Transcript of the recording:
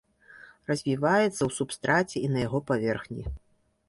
Развіваецца ў субстраце і на яго паверхні.